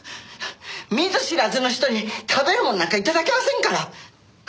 見ず知らずの人に食べる物なんか頂けませんから！